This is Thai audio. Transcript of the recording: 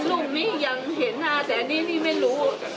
เห็นลูกนี้ยังเห็นแต่ที่นี้เนี่ยไม่รู้